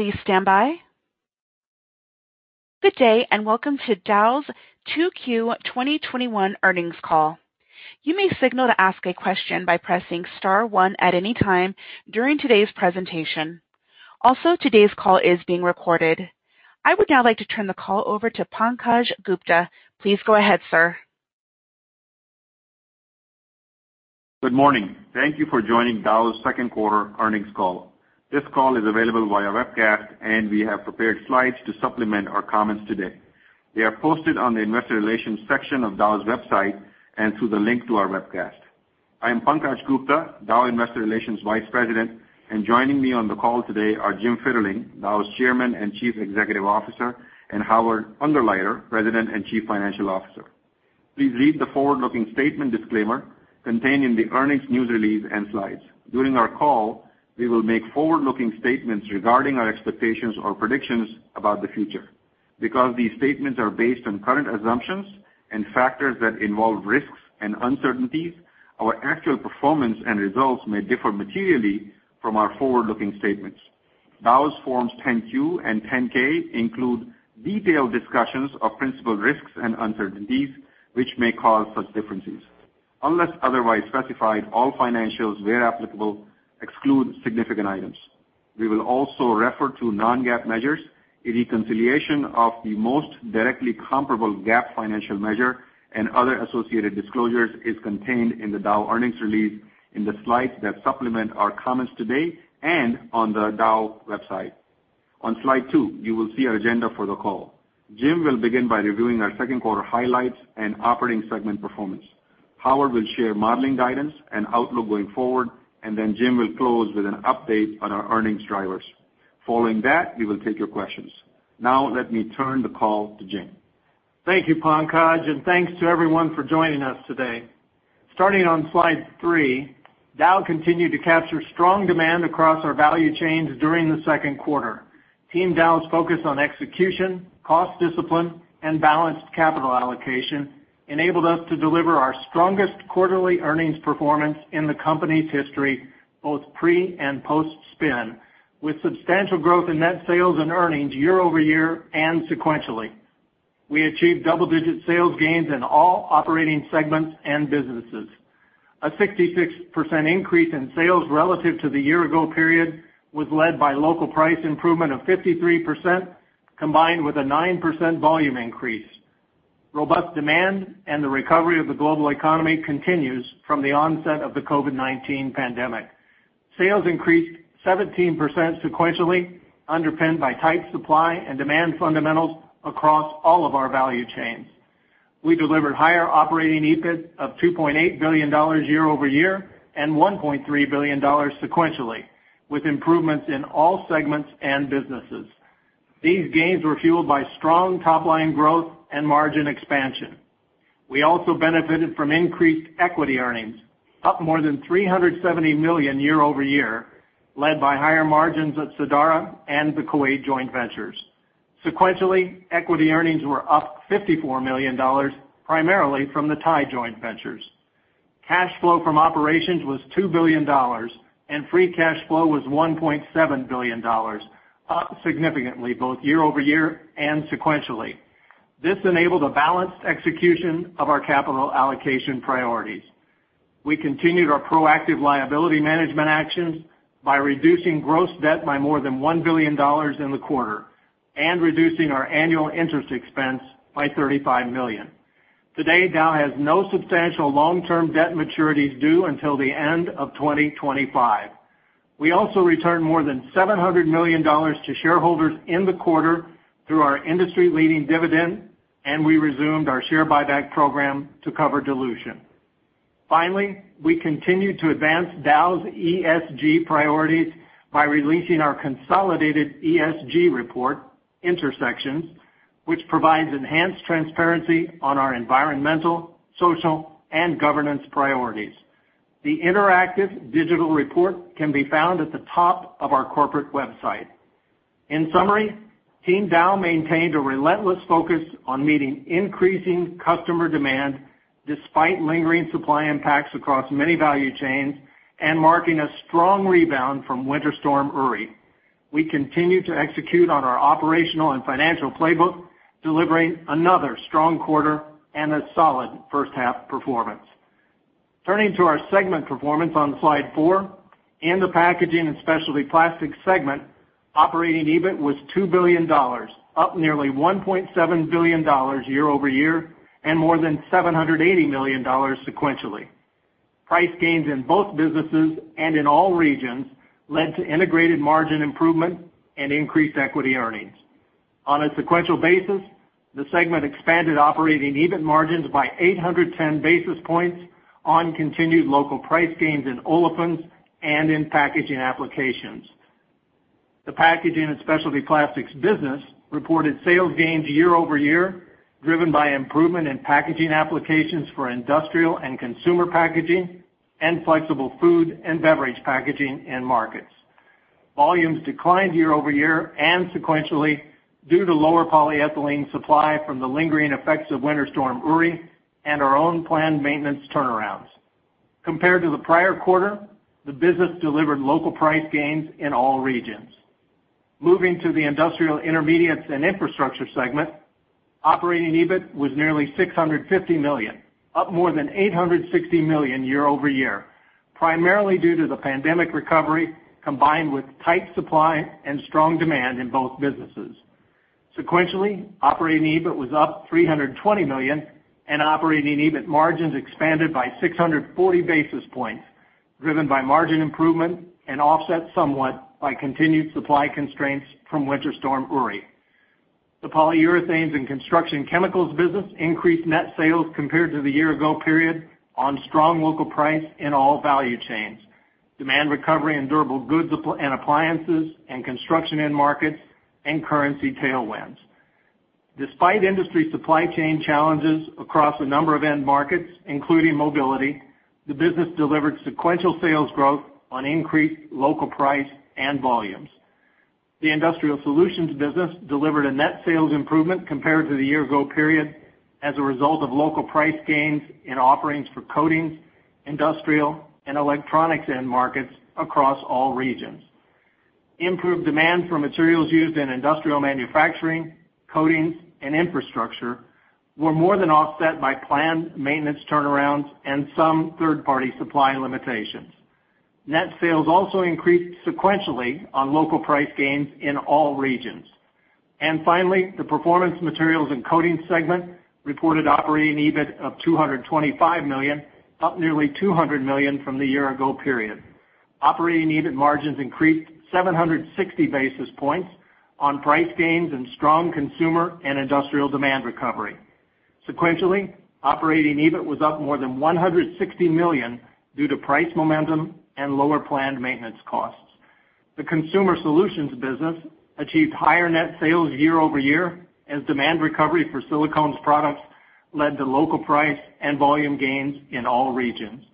Good day, welcome to Dow's 2Q 2021 Earnings Call. You may signal to ask a question by pressing star one at any time during today's presentation also today's call is being recorded. I would now like to turn the call over to Pankaj Gupta. Please go ahead, sir. Good morning. Thank you for joining Dow's second quarter earnings call. This call is available via webcast, and we have prepared slides to supplement our comments today. They are posted on the investor relations section of Dow's website and through the link to our webcast. I am Pankaj Gupta, Dow Investor Relations Vice President, and joining me on the call today are Jim Fitterling, Dow's Chairman and Chief Executive Officer, and Howard Ungerleider, President and Chief Financial Officer. Please read the forward-looking statement disclaimer contained in the earnings news release and slides. During our call, we will make forward-looking statements regarding our expectations or predictions about the future. Because these statements are based on current assumptions and factors that involve risks and uncertainties, our actual performance and results may differ materially from our forward-looking statements. Dow's Forms 10-Q and 10-K include detailed discussions of principal risks and uncertainties, which may cause such differences. Unless otherwise specified, all financials, where applicable, exclude significant items. We will also refer to non-GAAP measures, a reconciliation of the most directly comparable GAAP financial measure and other associated disclosures is contained in the Dow earnings release, in the slides that supplement our comments today, and on the Dow website. On Slide two, you will see our agenda for the call. Jim will begin by reviewing our second quarter highlights and operating segment performance. Howard will share modeling guidance and outlook going forward, and then Jim will close with an update on our earnings drivers. Following that, we will take your questions. Now, let me turn the call to Jim. Thank you, Pankaj, and thanks to everyone for joining us today. Starting on Slide three, Dow continued to capture strong demand across our value chains during the second quarter. Team Dow's focus on execution, cost discipline, and balanced capital allocation enabled us to deliver our strongest quarterly earnings performance in the company's history, both pre and post-spin, with substantial growth in net sales and earnings year-over-year and sequentially. We achieved double-digit sales gains in all operating segments and businesses. A 66% increase in sales relative to the year-ago period was led by local price improvement of 53%, combined with a 9% volume increase. Robust demand and the recovery of the global economy continues from the onset of the COVID-19 pandemic. Sales increased 17% sequentially, underpinned by tight supply and demand fundamentals across all of our value chains. We delivered higher operating EBIT of $2.8 billion year-over-year and $1.3 billion sequentially, with improvements in all segments and businesses. These gains were fueled by strong top-line growth and margin expansion. We also benefited from increased equity earnings, up more than $370 million year-over-year led by higher margins at Sadara and the Kuwait joint ventures. Sequentially, equity earnings were up $54 million, primarily from the Thai joint ventures. Cash flow from operations was $2 billion and free cash flow was $1.7 billion, up significantly both year-over-year and sequentially. This enabled a balanced execution of our capital allocation priorities. We continued our proactive liability management actions by reducing gross debt by more than $1 billion in the quarter and reducing our annual interest expense by $35 million. Today, Dow has no substantial long-term debt maturities due until the end of 2025. We also returned more than $700 million to shareholders in the quarter through our industry-leading dividend, and we resumed our share buyback program to cover dilution. Finally, we continued to advance Dow's ESG priorities by releasing our consolidated ESG report, Intersections, which provides enhanced transparency on our environmental, social, and governance priorities. The interactive digital report can be found at the top of our corporate website. In summary, Team Dow maintained a relentless focus on meeting increasing customer demand despite lingering supply impacts across many value chains and marking a strong rebound from Winter Storm Uri. We continue to execute on our operational and financial playbook, delivering another strong quarter and a solid first half performance. Turning to our segment performance on Slide 4, in the Packaging and Specialty Plastics segment, operating EBIT was $2 billion, up nearly $1.7 billion year-over-year and more than $780 million sequentially. Price gains in both businesses and in all regions led to integrated margin improvement and increased equity earnings. On a sequential basis, the segment expanded operating EBIT margins by 810 basis points on continued local price gains in olefins and in packaging applications. The packaging and specialty plastics business reported sales gains year-over-year, driven by improvement in packaging applications for industrial and consumer packaging and flexible food and beverage packaging end markets. Volumes declined year-over-year and sequentially due to lower polyethylene supply from the lingering effects of Winter Storm Uri and our own planned maintenance turnarounds. Compared to the prior quarter, the business delivered local price gains in all regions. Moving to the Industrial Intermediates & Infrastructure segment, operating EBIT was nearly $650 million, up more than $860 million year-over-year, primarily due to the pandemic recovery, combined with tight supply and strong demand in both businesses. Sequentially, operating EBIT was up $320 million, and operating EBIT margins expanded by 640 basis points, driven by margin improvement and offset somewhat by continued supply constraints from Winter Storm Uri. The Polyurethanes and Construction Chemicals business increased net sales compared to the year ago period on strong local price in all value chains, demand recovery in durable goods and appliances and construction end markets, and currency tailwinds. Despite industry supply chain challenges across a number of end markets, including mobility, the business delivered sequential sales growth on increased local price and volumes. The industrial solutions business delivered a net sales improvement compared to the year ago period as a result of local price gains in offerings for coatings, industrial, and electronics end markets across all regions. Improved demand for materials used in industrial manufacturing, coatings, and infrastructure were more than offset by planned maintenance turnarounds and some third-party supply limitations. Net sales also increased sequentially on local price gains in all regions. Finally, the Performance Materials & Coatings segment reported operating EBIT of $225 million, up nearly $200 million from the year ago period. Operating EBIT margins increased 760 basis points on price gains and strong consumer and industrial demand recovery. Sequentially, operating EBIT was up more than $160 million due to price momentum and lower planned maintenance costs. The Consumer Solutions business achieved higher net sales year over year as demand recovery for silicones products led to local price and volume gains in all regions.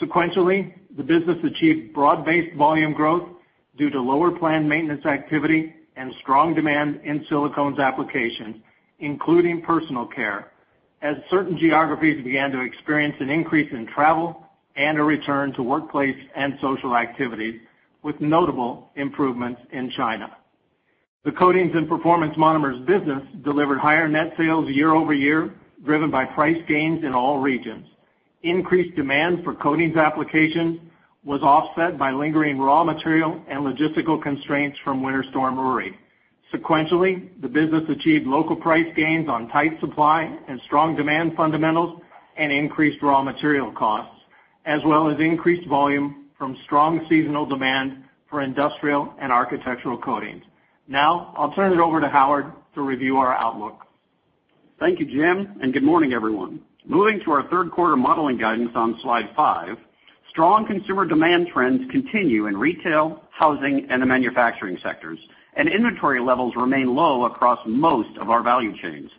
Sequentially, the business achieved broad-based volume growth due to lower planned maintenance activity and strong demand in silicones applications, including personal care, as certain geographies began to experience an increase in travel and a return to workplace and social activities, with notable improvements in China. The Coatings and Performance Monomers business delivered higher net sales year over year, driven by price gains in all regions. Increased demand for coatings applications was offset by lingering raw material and logistical constraints from Winter Storm Uri. Sequentially, the business achieved local price gains on tight supply and strong demand fundamentals and increased raw material costs, as well as increased volume from strong seasonal demand for industrial and architectural coatings. Now, I'll turn it over to Howard to review our outlook. Thank you, Jim. Good morning, everyone. Moving to our third quarter modeling guidance on slide five, strong consumer demand trends continue in retail, housing, and the manufacturing sectors. Inventory levels remain low across most of our value chains.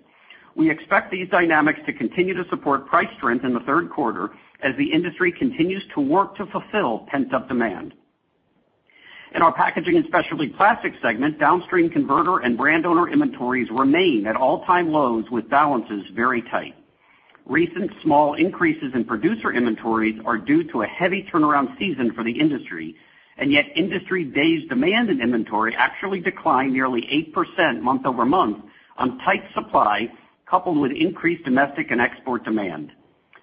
We expect these dynamics to continue to support price trends in the third quarter as the industry continues to work to fulfill pent-up demand. In our Packaging and Specialty Plastics segment, downstream converter and brand owner inventories remain at all-time lows, with balances very tight. Recent small increases in producer inventories are due to a heavy turnaround season for the industry. Yet industry days demand and inventory actually declined nearly 8% month-over-month on tight supply, coupled with increased domestic and export demand.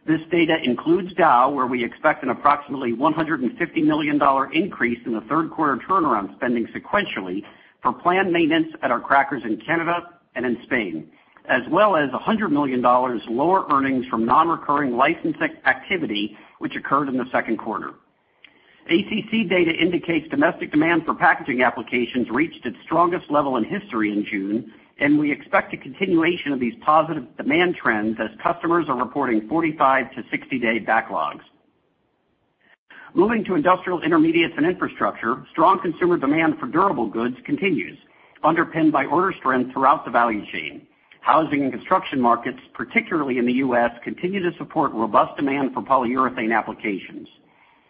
This data includes Dow, where we expect an approximately $150 million increase in the third quarter turnaround spending sequentially for planned maintenance at our crackers in Canada and in Spain, as well as $100 million lower earnings from non-recurring licensing activity, which occurred in the second quarter. ACC data indicates domestic demand for packaging applications reached its strongest level in history in June, and we expect a continuation of these positive demand trends as customers are reporting 45 to 60-day backlogs. Moving to Industrial Intermediates & Infrastructure, strong consumer demand for durable goods continues, underpinned by order strength throughout the value chain. Housing and construction markets, particularly in the U.S., continue to support robust demand for polyurethane applications.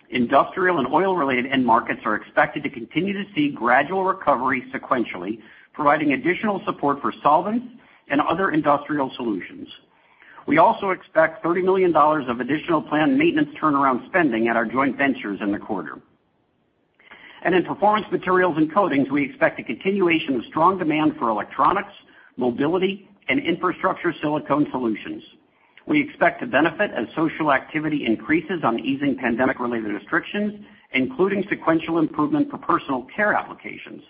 Industrial and oil-related end markets are expected to continue to see gradual recovery sequentially, providing additional support for solvents and other industrial solutions. We also expect $30 million of additional planned maintenance turnaround spending at our joint ventures in the quarter. In performance materials and coatings, we expect a continuation of strong demand for electronics, mobility, and infrastructure silicone solutions. We expect to benefit as social activity increases on easing pandemic-related restrictions, including sequential improvement for personal care applications.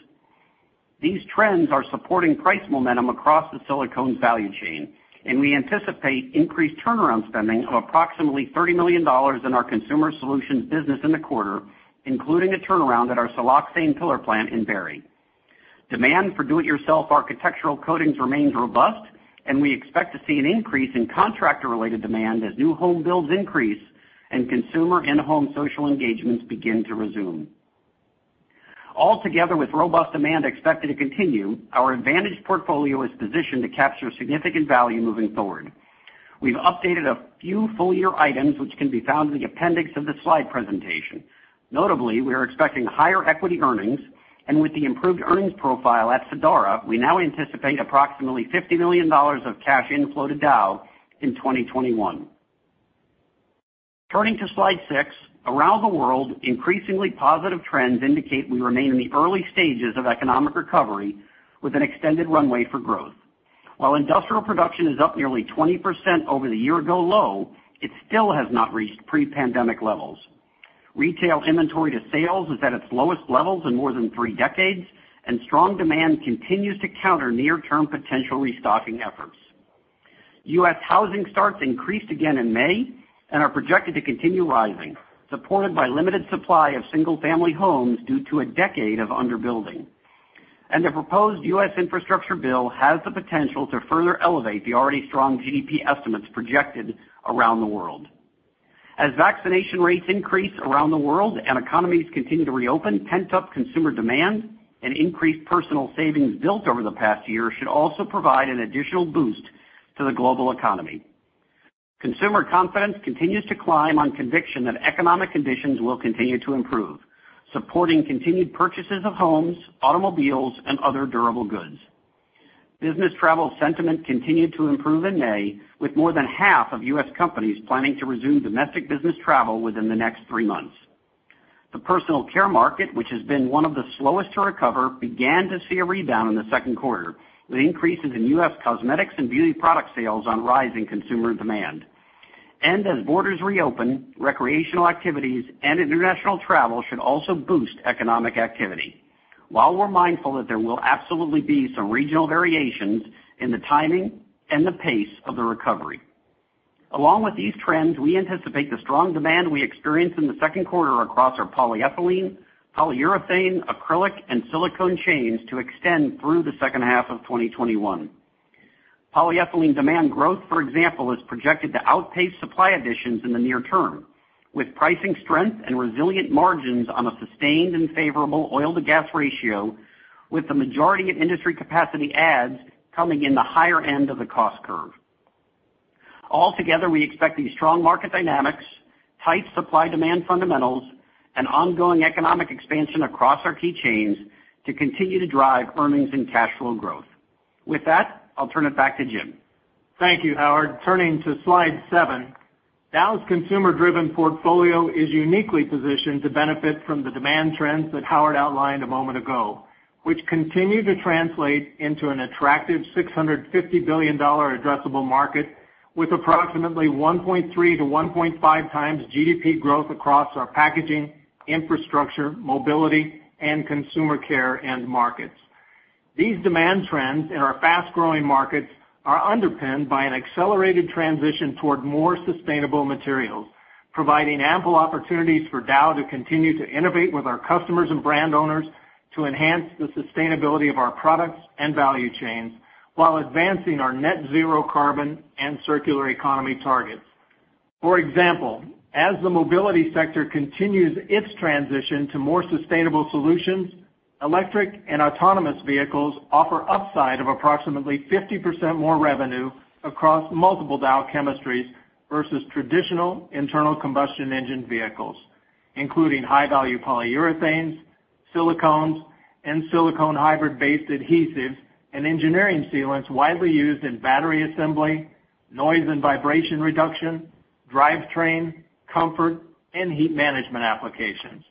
These trends are supporting price momentum across the silicones value chain, and we anticipate increased turnaround spending of approximately $30 million in our consumer solutions business in the quarter, including a turnaround at our siloxane pillar plant in Barry. Demand for do-it-yourself architectural coatings remains robust, and we expect to see an increase in contractor-related demand as new home builds increase and consumer in-home social engagements begin to resume. Altogether, with robust demand expected to continue, our advantage portfolio is positioned to capture significant value moving forward. We've updated a few full-year items, which can be found in the appendix of the slide presentation. Notably, we are expecting higher equity earnings. With the improved earnings profile at Sadara, we now anticipate approximately $50 million of cash inflow to Dow in 2021. Turning to slide six. Around the world, increasingly positive trends indicate we remain in the early stages of economic recovery with an extended runway for growth. While industrial production is up nearly 20% over the year ago low, it still has not reached pre-pandemic levels. Retail inventory to sales is at its lowest levels in more than three decades, and strong demand continues to counter near-term potential restocking efforts. U.S. housing starts increased again in May and are projected to continue rising, supported by limited supply of single-family homes due to a decade of under-building. The proposed U.S. infrastructure bill has the potential to further elevate the already strong GDP estimates projected around the world. As vaccination rates increase around the world and economies continue to reopen, pent-up consumer demand and increased personal savings built over the past year should also provide an additional boost to the global economy. Consumer confidence continues to climb on conviction that economic conditions will continue to improve, supporting continued purchases of homes, automobiles, and other durable goods. Business travel sentiment continued to improve in May, with more than half of U.S. companies planning to resume domestic business travel within the next three months. The personal care market, which has been one of the slowest to recover, began to see a rebound in the second quarter, with increases in U.S. cosmetics and beauty product sales on rising consumer demand. As borders reopen, recreational activities and international travel should also boost economic activity while we're mindful that there will absolutely be some regional variations in the timing and the pace of the recovery. Along with these trends, we anticipate the strong demand we experienced in the second quarter across our polyethylene, polyurethane, acrylic, and silicone chains to extend through the second half of 2021. Polyethylene demand growth, for example, is projected to outpace supply additions in the near term, with pricing strength and resilient margins on a sustained and favorable oil to gas ratio, with the majority of industry capacity adds coming in the higher end of the cost curve. Altogether, we expect these strong market dynamics, tight supply-demand fundamentals, and ongoing economic expansion across our key chains to continue to drive earnings and cash flow growth. With that, I'll turn it back to Jim. Thank you, Howard. Turning to slide seven. Dow's consumer-driven portfolio is uniquely positioned to benefit from the demand trends that Howard outlined a moment ago, which continue to translate into an attractive $650 billion addressable market with approximately 1.3-1.5 times GDP growth across our packaging, infrastructure, mobility, and consumer care end markets. These demand trends in our fast-growing markets are underpinned by an accelerated transition toward more sustainable materials, providing ample opportunities for Dow to continue to innovate with our customers and brand owners to enhance the sustainability of our products and value chains while advancing our net zero carbon and circular economy targets. For example, as the mobility sector continues its transition to more sustainable solutions, electric and autonomous vehicles offer upside of approximately 50% more revenue across multiple Dow chemistries versus traditional internal combustion engine vehicles, including high-value polyurethanes, silicones, and silicone hybrid-based adhesives, and engineering sealants widely used in battery assembly, noise and vibration reduction, drivetrain, comfort, and heat management applications.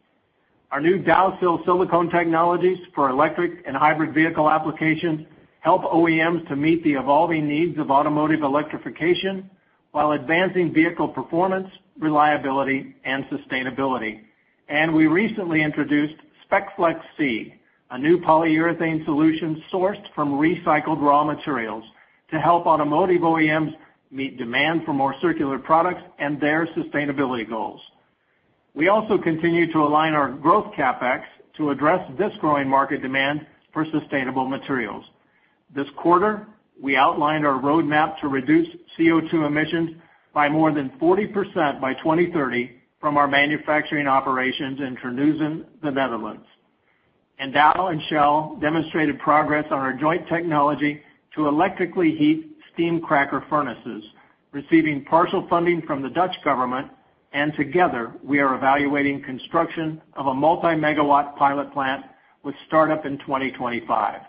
Our new DOWSIL silicone technologies for electric and hybrid vehicle applications help OEMs to meet the evolving needs of automotive electrification while advancing vehicle performance, reliability, and sustainability. We recently introduced SPECFLEX C, a new polyurethane solution sourced from recycled raw materials to help automotive OEMs meet demand for more circular products and their sustainability goals. We also continue to align our growth CapEx to address this growing market demand for sustainable materials. This quarter, we outlined our roadmap to reduce CO2 emissions by more than 40% by 2030 from our manufacturing operations in Terneuzen, the Netherlands. Dow and Shell demonstrated progress on our joint technology to electrically heat steam cracker furnaces, receiving partial funding from the Dutch government, and together, we are evaluating construction of a multi-megawatt pilot plant with startup in 2025.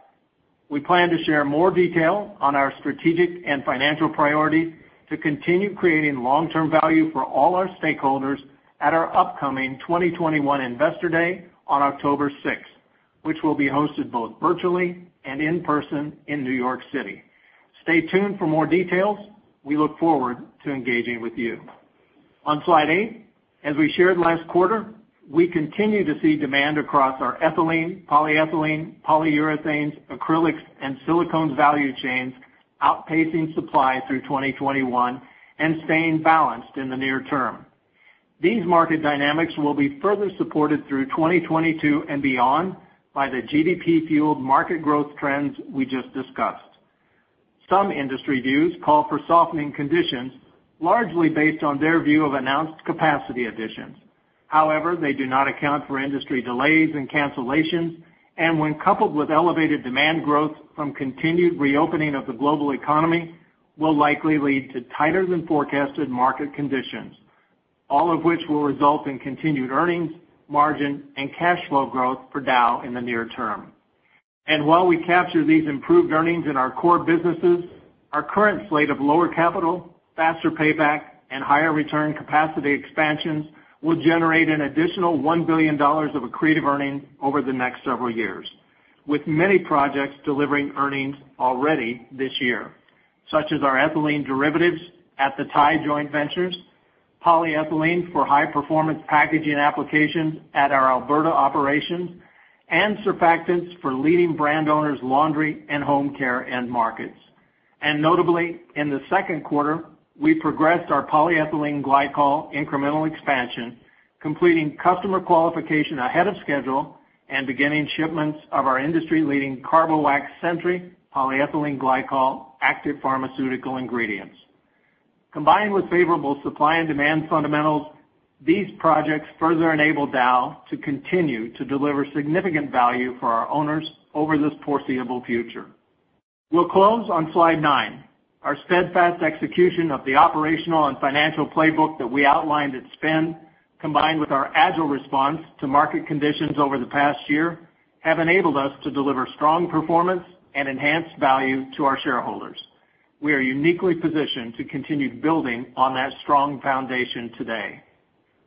We plan to share more detail on our strategic and financial priority to continue creating long-term value for all our stakeholders at our upcoming 2021 Investor Day on October 6, which will be hosted both virtually and in person in New York City. Stay tuned for more details. We look forward to engaging with you. On slide eight, as we shared last quarter, we continue to see demand across our ethylene, polyethylene, polyurethanes, acrylics, and silicone value chains outpacing supply through 2021 and staying balanced in the near term. These market dynamics will be further supported through 2022 and beyond by the GDP-fueled market growth trends we just discussed. Some industry views call for softening conditions, largely based on their view of announced capacity additions. However, they do not account for industry delays and cancellations, and when coupled with elevated demand growth from continued reopening of the global economy, will likely lead to tighter than forecasted market conditions. All of which will result in continued earnings, margin, and cash flow growth for Dow in the near term. While we capture these improved earnings in our core businesses, our current slate of lower capital, faster payback, and higher return capacity expansions will generate an additional $1 billion of accretive earnings over the next several years, with many projects delivering earnings already this year. Such as our ethylene derivatives at the Thai joint ventures, polyethylene for high-performance packaging applications at our Alberta operations, and surfactants for leading brand owners' laundry and home care end markets. Notably, in the second quarter, we progressed our polyethylene glycol incremental expansion, completing customer qualification ahead of schedule and beginning shipments of our industry-leading CARBOWAX SENTRY polyethylene glycol active pharmaceutical ingredients. Combined with favorable supply and demand fundamentals, these projects further enable Dow to continue to deliver significant value for our owners over this foreseeable future. We'll close on slide nine. Our steadfast execution of the operational and financial playbook that we outlined at Spin, combined with our agile response to market conditions over the past year, have enabled us to deliver strong performance and enhanced value to our shareholders. We are uniquely positioned to continue building on that strong foundation today.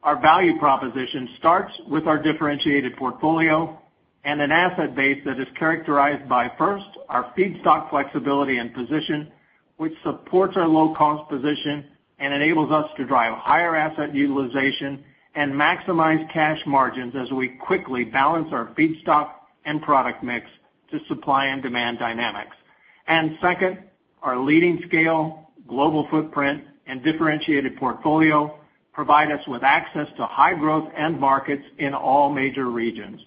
Our value proposition starts with our differentiated portfolio and an asset base that is characterized by, first, our feedstock flexibility and position, which supports our low-cost position and enables us to drive higher asset utilization and maximize cash margins as we quickly balance our feedstock and product mix to supply and demand dynamics. Second, our leading scale, global footprint, and differentiated portfolio provide us with access to high-growth end markets in all major regions.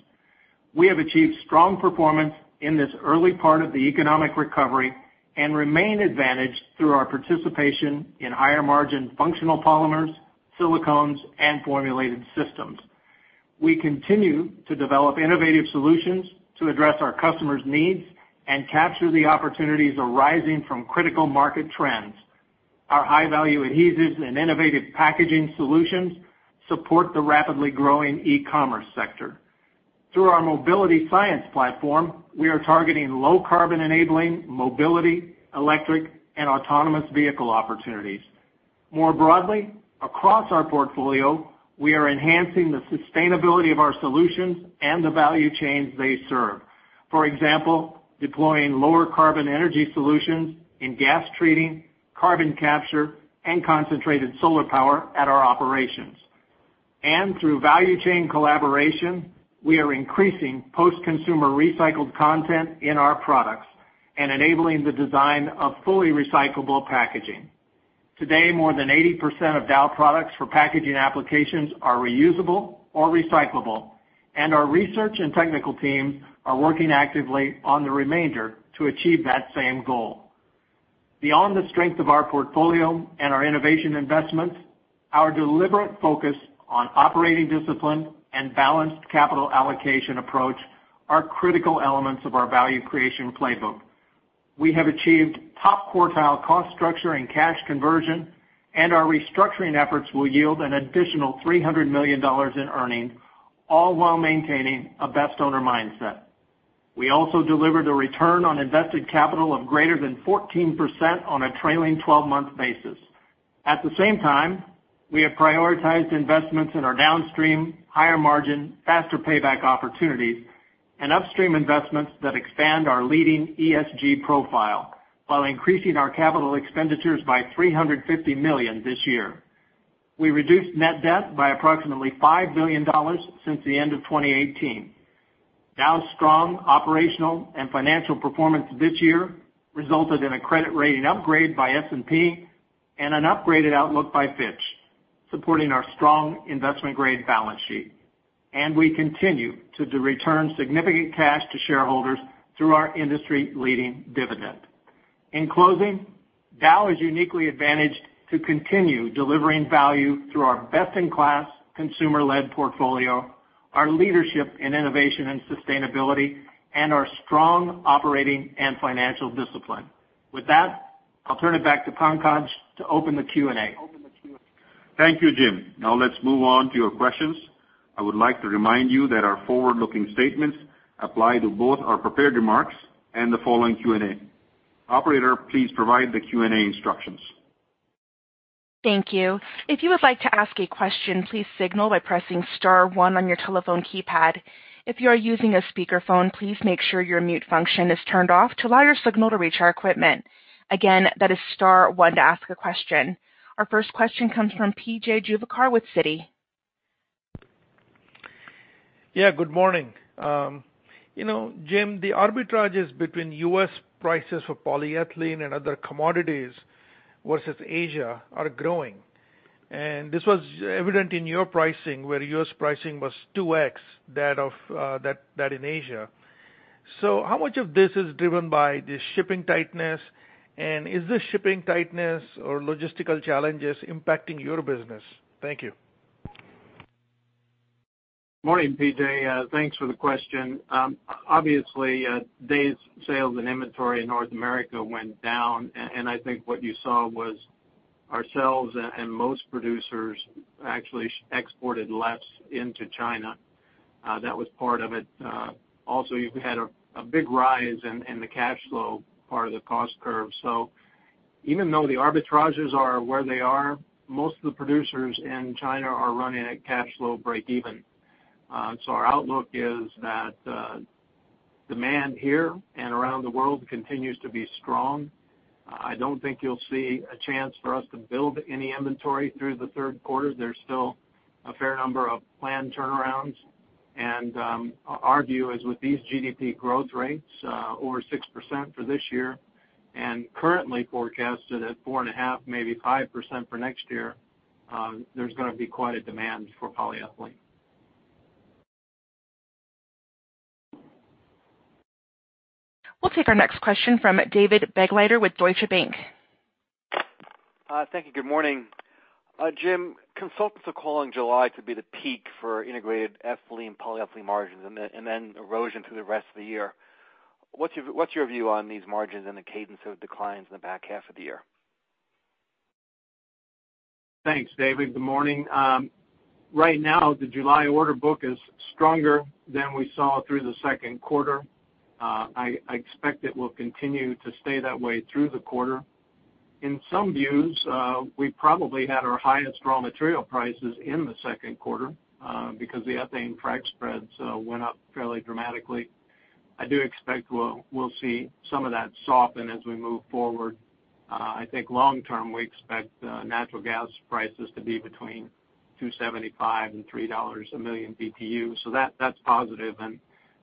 We have achieved strong performance in this early part of the economic recovery and remain advantaged through our participation in higher-margin functional polymers, silicones, and formulated systems. We continue to develop innovative solutions to address our customers' needs and capture the opportunities arising from critical market trends. Our high-value adhesives and innovative packaging solutions support the rapidly growing e-commerce sector. Through our mobility science platform, we are targeting low-carbon enabling mobility, electric, and autonomous vehicle opportunities. More broadly, across our portfolio, we are enhancing the sustainability of our solutions and the value chains they serve. For example, deploying lower carbon energy solutions in gas treating, carbon capture, and concentrated solar power at our operations. Through value chain collaboration, we are increasing post-consumer recycled content in our products and enabling the design of fully recyclable packaging. Today, more than 80% of Dow products for packaging applications are reusable or recyclable, and our research and technical teams are working actively on the remainder to achieve that same goal. Beyond the strength of our portfolio and our innovation investments, our deliberate focus on operating discipline and balanced capital allocation approach are critical elements of our value creation playbook. We have achieved top-quartile cost structure and cash conversion, and our restructuring efforts will yield an additional $300 million in earnings, all while maintaining a best owner mindset. We also delivered a return on invested capital of greater than 14% on a trailing 12-month basis. At the same time, we have prioritized investments in our downstream, higher margin, faster payback opportunities and upstream investments that expand our leading ESG profile while increasing our capital expenditures by $350 million this year. We reduced net debt by approximately $5 billion since the end of 2018. Dow's strong operational and financial performance this year resulted in a credit rating upgrade by S&P and an upgraded outlook by Fitch, supporting our strong investment-grade balance sheet. We continue to return significant cash to shareholders through our industry-leading dividend. In closing, Dow is uniquely advantaged to continue delivering value through our best-in-class consumer-led portfolio, our leadership in innovation and sustainability, and our strong operating and financial discipline. With that, I'll turn it back to Pankaj to open the Q&A. Thank you, Jim. Let's move on to your questions. I would like to remind you that our forward-looking statements apply to both our prepared remarks and the following Q&A. Operator, please provide the Q&A instructions. Thank you. Our first question comes from PJ Juvekar with Citi. Yeah, good morning. Jim Fitterling, the arbitrages between U.S. prices for polyethylene and other commodities versus Asia are growing. This was evident in your pricing, where U.S. pricing was 2x that in Asia. How much of this is driven by the shipping tightness? Is the shipping tightness or logistical challenges impacting your business? Thank you. Morning, PJ. Thanks for the question. Obviously, days sales and inventory in North America went down. I think what you saw was ourselves and most producers actually exported less into China. That was part of it. You've had a big rise in the cash flow part of the cost curve. Even though the arbitrages are where they are, most of the producers in China are running at cash flow breakeven. Our outlook is that demand here and around the world continues to be strong. I don't think you'll see a chance for us to build any inventory through the third quarter. There's still a fair number of planned turnarounds. Our view is with these GDP growth rates over 6% for this year, and currently forecasted at 4.5%, maybe 5% for next year, there's going to be quite a demand for polyethylene. We'll take our next question from David Begleiter with Deutsche Bank. Thank you. Good morning. Jim, consultants are calling July to be the peak for integrated ethylene polyethylene margins, and then erosion through the rest of the year. What's your view on these margins and the cadence of declines in the back half of the year? Thanks, David. Good morning. Right now, the July order book is stronger than we saw through the second quarter. I expect it will continue to stay that way through the quarter. In some views, we probably had our highest raw material prices in the second quarter, because the ethane crack spreads went up fairly dramatically. I do expect we'll see some of that soften as we move forward. I think long term, we expect natural gas prices to be between $2.75 and $3 a million BTU. That's positive.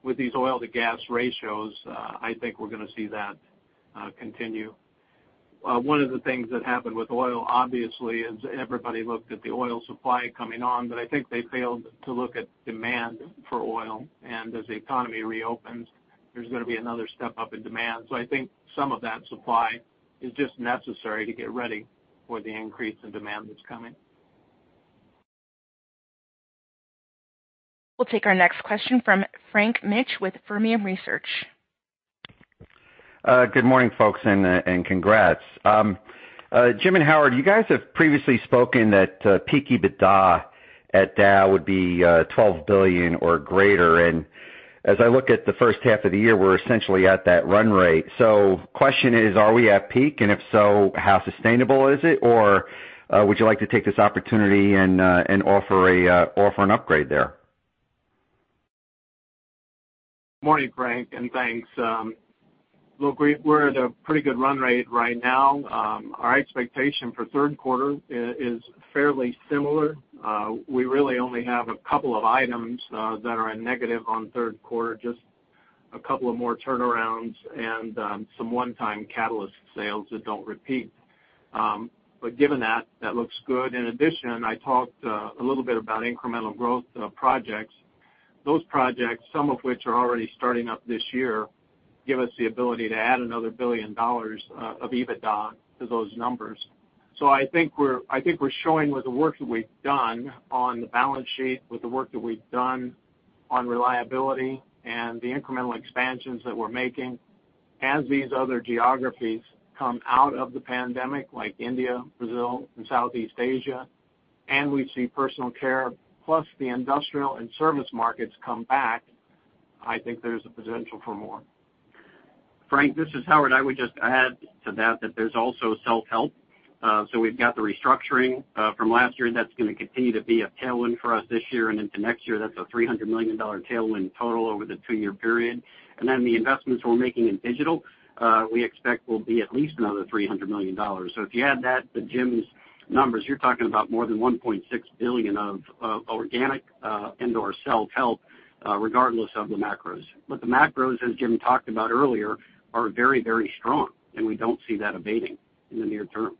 With these oil to gas ratios, I think we're going to see that continue. One of the things that happened with oil, obviously, is everybody looked at the oil supply coming on, but I think they failed to look at demand for oil. As the economy reopens, there's going to be another step up in demand. I think some of that supply is just necessary to get ready for the increase in demand that's coming. We'll take our next question from Frank Mitsch with Fermium Research. Good morning, folks, and congrats. Jim and Howard, you guys have previously spoken that peak EBITDA at Dow would be $12 billion or greater, and as I look at the first half of the year, we're essentially at that run rate. Question is, are we at peak? If so, how sustainable is it? Would you like to take this opportunity and offer an upgrade there? Morning, Frank. Thanks. Look, we're at a pretty good run rate right now. Our expectation for third quarter is fairly similar. We really only have a couple of items that are a negative on third quarter, just a couple of more turnarounds and some one-time catalyst sales that don't repeat. Given that looks good. In addition, I talked a little bit about incremental growth projects. Those projects, some of which are already starting up this year, give us the ability to add another $1 billion of EBITDA to those numbers. I think we're showing with the work that we've done on the balance sheet, with the work that we've done on reliability and the incremental expansions that we're making as these other geographies come out of the pandemic, like India, Brazil, and Southeast Asia, and we see personal care plus the industrial and service markets come back, I think there's a potential for more. Frank, this is Howard. I would just add to that there's also self-help. We've got the restructuring from last year that's going to continue to be a tailwind for us this year and into next year. That's a $300 million tailwind total over the 2-year period. The investments we're making in digital we expect will be at least another $300 million. If you add that to Jim Fitterling's numbers, you're talking about more than $1.6 billion of organic and/or self-help regardless of the macros. The macros, as Jim Fitterling talked about earlier, are very, very strong, and we don't see that abating in the near term.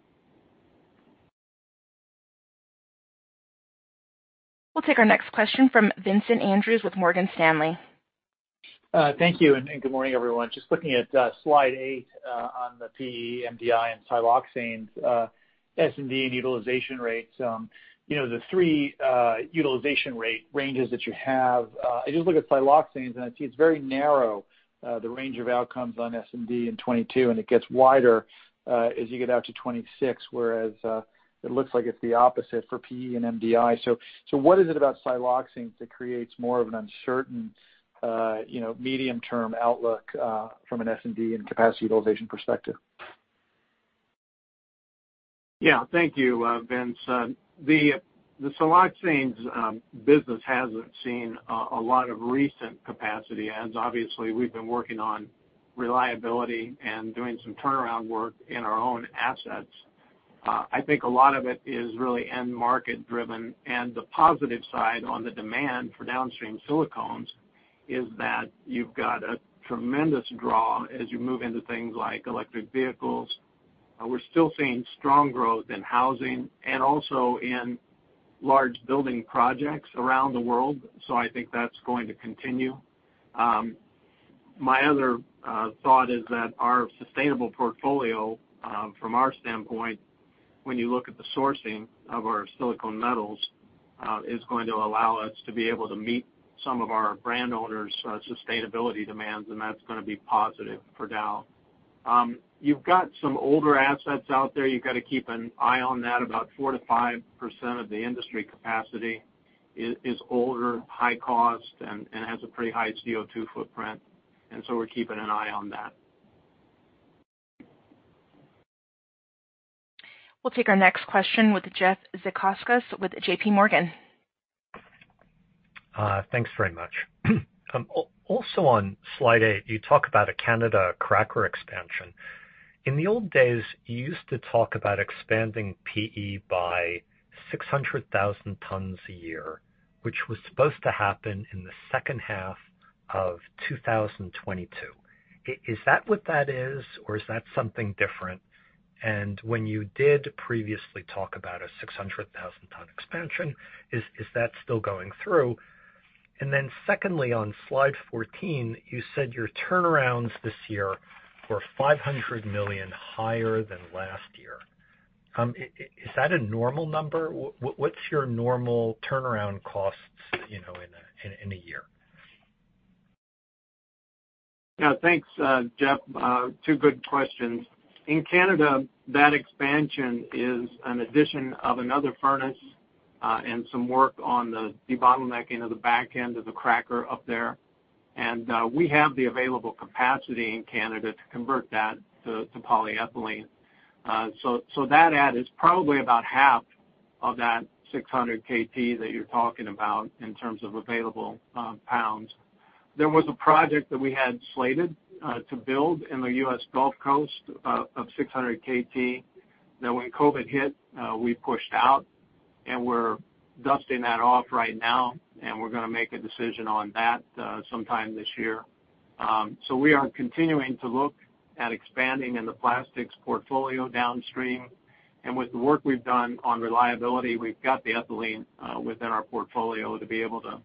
We'll take our next question from Vincent Andrews with Morgan Stanley. Thank you, and good morning, everyone. Just looking at slide eight on the PE, MDI, and siloxanes S&D and utilization rates. The three utilization rate ranges that you have, I just look at siloxanes and I see it's very narrow, the range of outcomes on S&D in 2022, and it gets wider as you get out to 2026, whereas it looks like it's the opposite for PE and MDI. What is it about siloxanes that creates more of an uncertain medium-term outlook from an S&D and capacity utilization perspective? Yeah. Thank you, Vincent. The siloxanes business hasn't seen a lot of recent capacity adds. Obviously, we've been working on reliability and doing some turnaround work in our own assets. I think a lot of it is really end market driven, and the positive side on the demand for downstream silicones is that you've got a tremendous draw as you move into things like electric vehicles. We're still seeing strong growth in housing and also in large building projects around the world. I think that's going to continue. My other thought is that our sustainable portfolio, from our standpoint, when you look at the sourcing of our silicone metals, is going to allow us to be able to meet some of our brand owners' sustainability demands, and that's going to be positive for Dow. You've got some older assets out there, you've got to keep an eye on that. About 4%-5% of the industry capacity is older, high cost, and has a pretty high CO2 footprint. We're keeping an eye on that. We'll take our next question with Jeff Zekauskas with J.P. Morgan. Thanks very much. On slide eight, you talk about a Canada cracker expansion. In the old days, you used to talk about expanding PE by 600,000 tons a year, which was supposed to happen in the second half of 2022. Is that what that is, or is that something different? When you did previously talk about a 600,000 ton expansion, is that still going through? Secondly, on slide 14, you said your turnarounds this year were $500 million higher than last year. Is that a normal number? What's your normal turnaround costs in a year? Thanks, Jeff. Two good questions. In Canada, that expansion is an addition of another furnace and some work on the debottleneck into the back end of the cracker up there. We have the available capacity in Canada to convert that to polyethylene. That add is probably about half of that 600 KT that you're talking about in terms of available pounds. There was a project that we had slated to build in the U.S. Gulf Coast of 600 KT, that when COVID hit, we pushed out and we're dusting that off right now, and we're going to make a decision on that sometime this year. We are continuing to look at expanding in the plastics portfolio downstream. With the work we've done on reliability, we've got the ethylene within our portfolio to be able to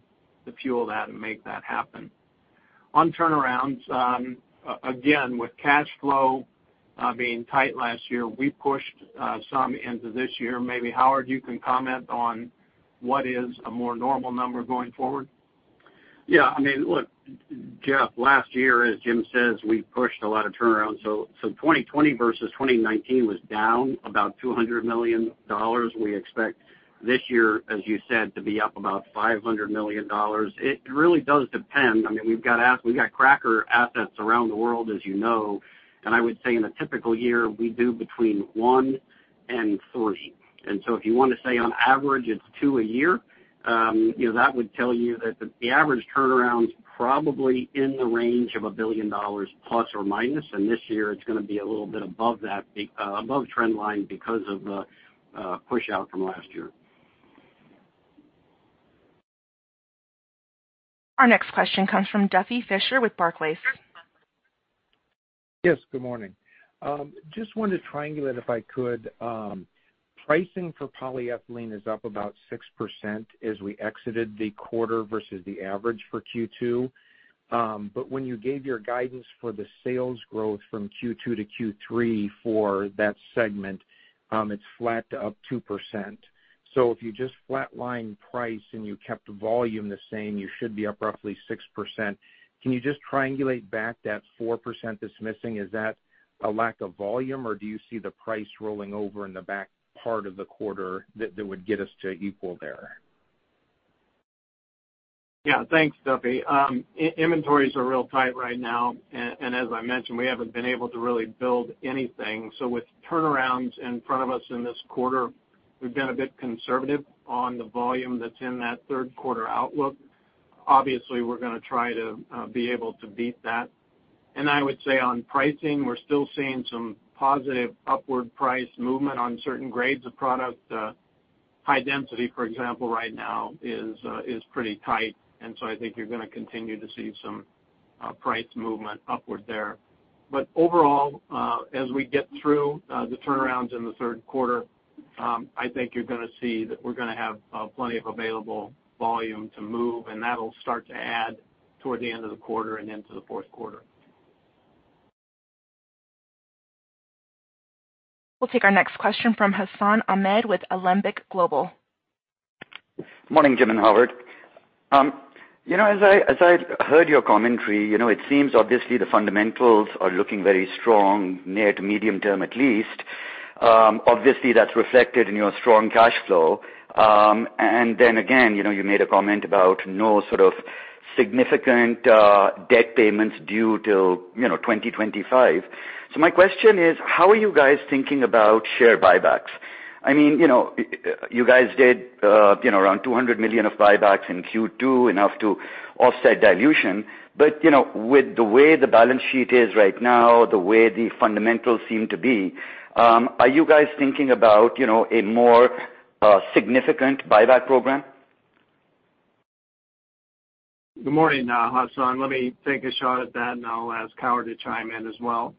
fuel that and make that happen. On turnarounds, again, with cash flow being tight last year, we pushed some into this year. Maybe, Howard, you can comment on what is a more normal number going forward. Yeah. Look, Jeff, last year, as Jim says, we pushed a lot of turnarounds. 2020 versus 2019 was down about $200 million. We expect this year, as you said, to be up about $500 million. It really does depend. We've got cracker assets around the world, as you know. I would say in a typical year, we do between one and three. If you want to say on average, it's two a year, that would tell you that the average turnaround's probably in the range of $1 billion plus or minus. This year it's going to be a little bit above trend line because of the push out from last year. Our next question comes from Duffy Fischer with Barclays. Yes. Good morning. Just wanted to triangulate, if I could. Pricing for polyethylene is up about 6% as we exited the quarter versus the average for Q2. When you gave your guidance for the sales growth from Q2-Q3 for that segment, it's flat to up 2%. If you just flatline price and you kept volume the same, you should be up roughly 6%. Can you just triangulate back that 4% that's missing? Is that a lack of volume, or do you see the price rolling over in the back part of the quarter that would get us to equal there? Thanks, Duffy. Inventories are real tight right now. As I mentioned, we haven't been able to really build anything. With turnarounds in front of us in this quarter, we've been a bit conservative on the volume that's in that third quarter outlook. Obviously, we're going to try to be able to beat that. I would say on pricing, we're still seeing some positive upward price movement on certain grades of product. High density, for example, right now is pretty tight. I think you're going to continue to see some price movement upward there. Overall, as we get through the turnarounds in the 3rd quarter, I think you're going to see that we're going to have plenty of available volume to move. That'll start to add toward the end of the quarter and into the 4th quarter. We'll take our next question from Hassan Ahmed with Alembic Global. Morning, Jim and Howard. As I heard your commentary, it seems obviously the fundamentals are looking very strong, near to medium-term at least. Obviously, that's reflected in your strong cash flow. Again, you made a comment about no sort of significant debt payments due till 2025. My question is, how are you guys thinking about share buybacks? You guys did around $200 million of buybacks in Q2, enough to offset dilution. With the way the balance sheet is right now, the way the fundamentals seem to be, are you guys thinking about a more significant buyback program? Good morning, Hassan. Let me take a shot at that, and I'll ask Howard to chime in as well.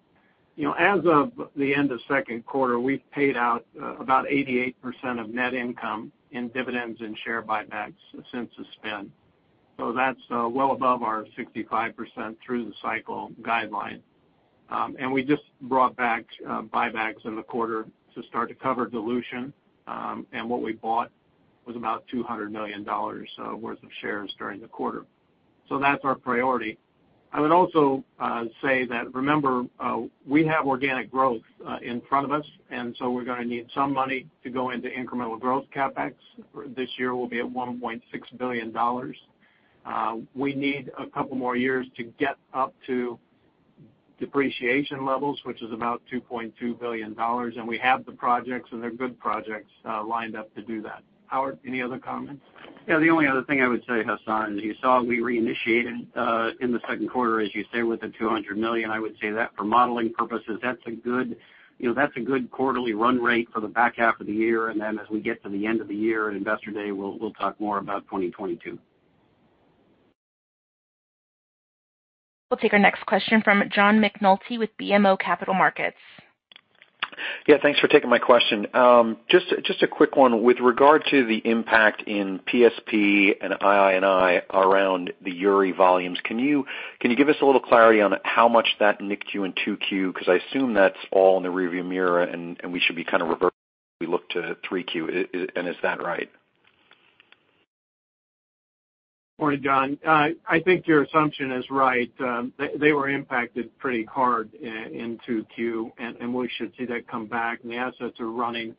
As of the end of second quarter, we've paid out about 88% of net income in dividends and share buybacks since the spin. That's well above our 65% through the cycle guideline. We just brought back buybacks in the quarter to start to cover dilution. What we bought was about $200 million worth of shares during the quarter, that's our priority. I would also say that, remember, we have organic growth in front of us, and so we're going to need some money to go into incremental growth. CapEx this year will be at $1.6 billion. We need a couple more years to get up to depreciation levels, which is about $2.2 billion. We have the projects, and they're good projects, lined up to do that. Howard, any other comments? Yeah. The only other thing I would say, Hassan, is you saw we reinitiated in the second quarter, as you say, with the $200 million. I would say that for modeling purposes, that's a good quarterly run rate for the back half of the year. As we get to the end of the year at Investor Day, we'll talk more about 2022. We'll take our next question from John McNulty with BMO Capital Markets. Thanks for taking my question. Just a quick one. With regard to the impact in PSP and II&I around the Uri volumes, can you give us a little clarity on how much that nicked you in 2Q? I assume that's all in the rearview mirror and we should be kind of reversing as we look to 3Q. Is that right? Morning, John. I think your assumption is right. They were impacted pretty hard in 2Q, and we should see that come back. The assets are running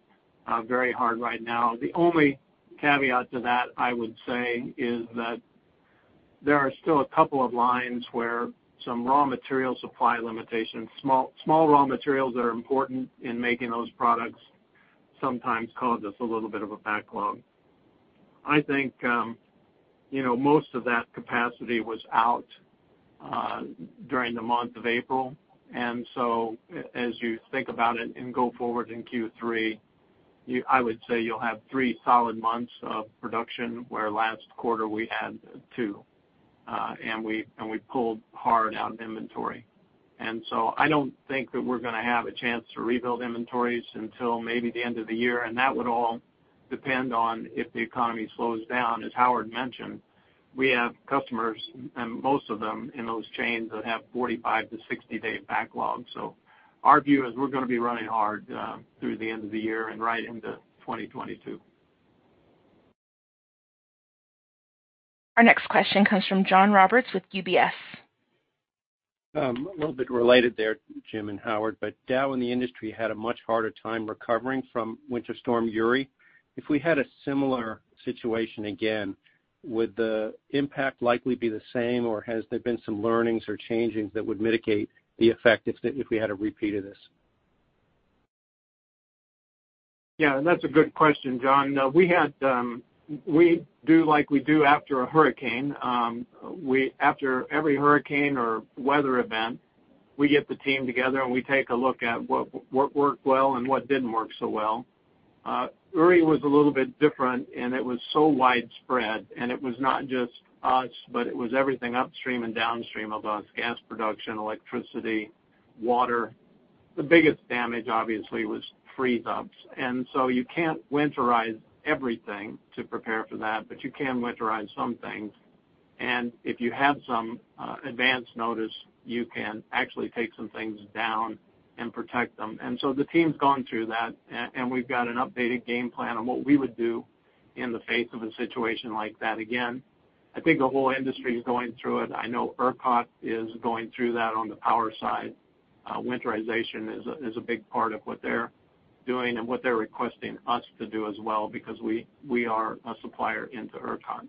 very hard right now. The only caveat to that, I would say, is that there are still a couple of lines where some raw material supply limitations. Small raw materials that are important in making those products sometimes cause us a little bit of a backlog. I think most of that capacity was out during the month of April. As you think about it and go forward in Q3, I would say you'll have three solid months of production, where last quarter we had two. We pulled hard out of inventory. I don't think that we're going to have a chance to rebuild inventories until maybe the end of the year, and that would all depend on if the economy slows down. As Howard mentioned, we have customers, and most of them in those chains that have 45-60 day backlogs. Our view is we're going to be running hard through the end of the year and right into 2022. Our next question comes from John Roberts with UBS. A little bit related there, Jim and Howard, Dow and the industry had a much harder time recovering from Winter Storm Uri. If we had a similar situation again, would the impact likely be the same, or has there been some learnings or changings that would mitigate the effect if we had a repeat of this? Yeah, that's a good question, John. We do like we do after a hurricane. After every hurricane or weather event, we get the team together, we take a look at what worked well and what didn't work so well. Uri was a little bit different, it was so widespread, it was not just us, but it was everything upstream and downstream of us, gas production, electricity, water. The biggest damage, obviously, was freeze ups. You can't winterize everything to prepare for that, but you can winterize some things. If you have some advance notice, you can actually take some things down and protect them. The team's gone through that, we've got an updated game plan on what we would do in the face of a situation like that again. I think the whole industry is going through it. I know ERCOT is going through that on the power side. Winterization is a big part of what they're doing and what they're requesting us to do as well because we are a supplier into ERCOT.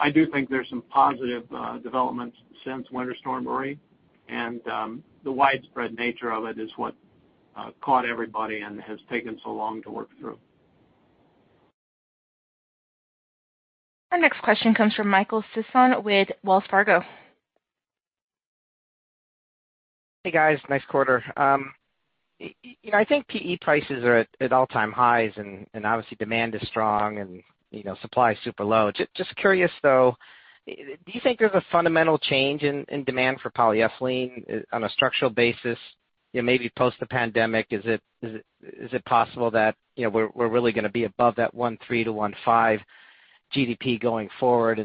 I do think there's some positive developments since Winter Storm Uri, and the widespread nature of it is what caught everybody and has taken so long to work through. Our next question comes from Michael Sison with Wells Fargo. Hey, guys. Nice quarter. I think PE prices are at all-time highs. Obviously, demand is strong and supply is super low. Just curious, though, do you think there's a fundamental change in demand for polyethylene on a structural basis? Maybe post the pandemic, is it possible that we're really going to be above that 1.3-1.5 GDP going forward?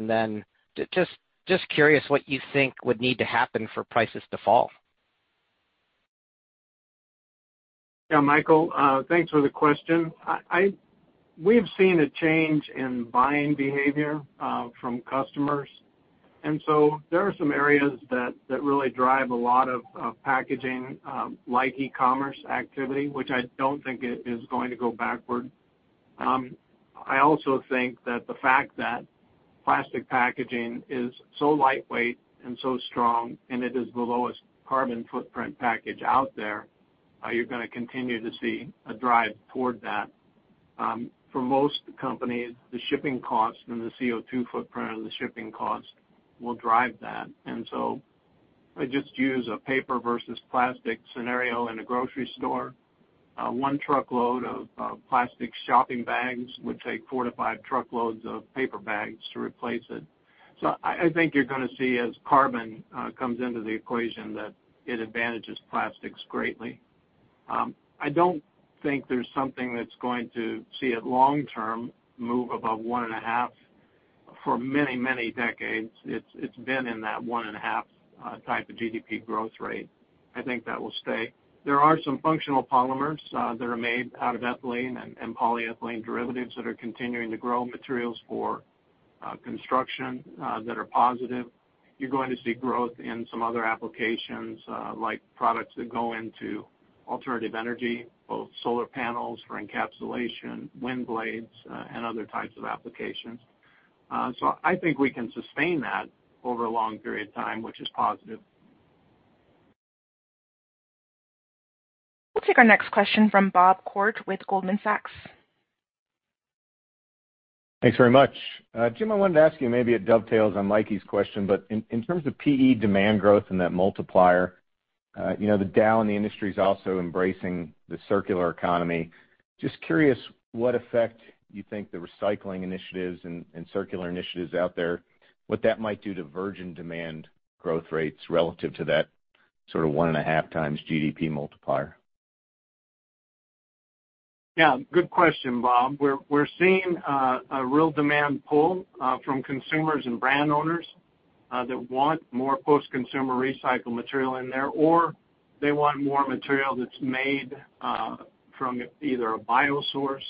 Just curious what you think would need to happen for prices to fall. Yeah, Michael, thanks for the question. We've seen a change in buying behavior from customers, there are some areas that really drive a lot of packaging like e-commerce activity, which I don't think is going to go backward. I also think that the fact that plastic packaging is so lightweight and so strong, and it is the lowest carbon footprint package out there, you're going to continue to see a drive toward that. For most companies, the shipping cost and the CO2 footprint of the shipping cost will drive that. I just use a paper versus plastic scenario in a grocery store. One truckload of plastic shopping bags would take 4-5 truckloads of paper bags to replace it. I think you're going to see as carbon comes into the equation, that it advantages plastics greatly. I don't think there's something that's going to see it long-term move above 1.5 for many, many decades. It's been in that 1.5 type of GDP growth rate. I think that will stay. There are some functional polymers that are made out of ethylene and polyethylene derivatives that are continuing to grow materials for construction that are positive. You're going to see growth in some other applications, like products that go into alternative energy, both solar panels for encapsulation, wind blades, and other types of applications. I think we can sustain that over a long period of time, which is positive. We'll take our next question from Bob Koort with Goldman Sachs. Thanks very much. Jim, I wanted to ask you, maybe it dovetails on Mikey's question, but in terms of PE demand growth and that multiplier, the Dow and the industry's also embracing the circular economy. Just curious what effect you think the recycling initiatives and circular initiatives out there, what that might do to virgin demand growth rates relative to that sort of 1.5 times GDP multiplier. Yeah. Good question, Bob. We're seeing a real demand pull from consumers and brand owners that want more post-consumer recycled material in there, or they want more material that's made from either a bio source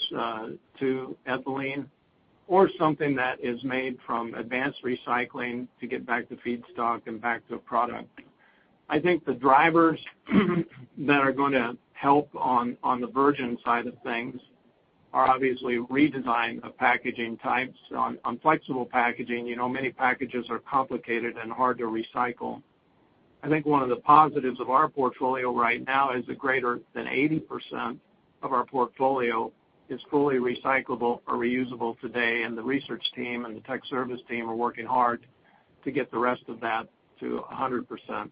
to ethylene or something that is made from advanced recycling to get back to feedstock and back to a product. I think the drivers that are going to help on the virgin side of things are obviously redesign of packaging types. On flexible packaging, many packages are complicated and hard to recycle. I think one of the positives of our portfolio right now is that greater than 80% of our portfolio is fully recyclable or reusable today, and the research team and the tech service team are working hard to get the rest of that to 100%.